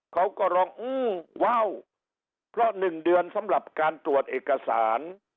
เขาก็ร้องอื้อว้าวเพราะ๑เดือนสำหรับการตรวจเอกสาร